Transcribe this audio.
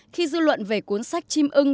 khi dư luận về cuốn sách chim ưng